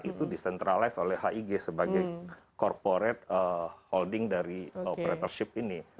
itu dicentralize oleh hig sebagai corporate holding dari operatorship ini